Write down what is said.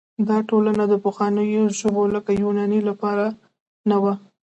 دا ټولنه د پخوانیو ژبو لکه یوناني لپاره نه وه.